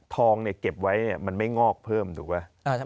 ทองเนี่ยเก็บไว้มันไม่งอกเพิ่มถูกไหม